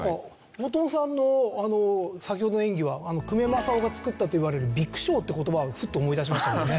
大友さんの先ほどの演技は久米正雄が作ったといわれる「微苦笑」という言葉をふっと思い出しましたもんね。